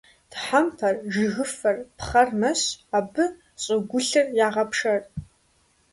Тхьэмпэр, жыгыфэр, пхъэр мэщ, абы щӀыгулъыр ягъэпшэр.